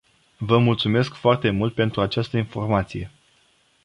Vă mulțumesc foarte mult pentru această informație.